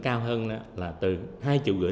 cao hơn là từ hai triệu gửi